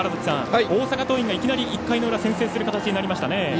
大阪桐蔭がいきなり１回先制する形になりました。